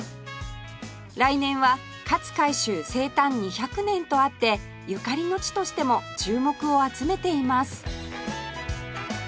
来年は勝海舟生誕２００年とあってゆかりの地としても注目を集めています